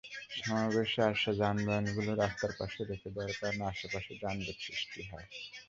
সমাবেশে আসা যানবাহনগুলো রাস্তার পাশে রেখে দেওয়ার কারণে আশপাশে যানজটের সৃষ্টি হয়।